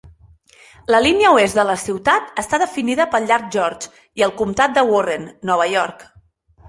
La línia oest de la ciutat està definida pel llac George i el comtat de Warren, Nova York.